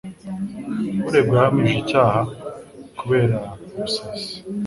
Uregwa yahamijwe icyaha kubera ubusazi